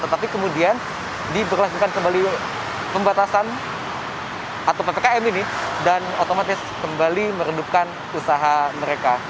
tetapi kemudian diberlakukan kembali pembatasan atau ppkm ini dan otomatis kembali meredupkan usaha mereka